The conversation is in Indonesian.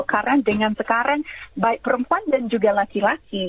karena dengan sekarang baik perempuan dan juga laki laki